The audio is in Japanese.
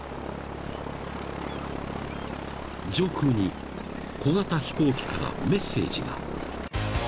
［上空に小型飛行機からメッセージが］